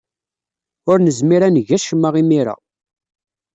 Ur nezmir ad neg acemma imir-a.